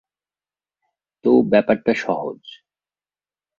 তো, ব্যাপারটা সহজ।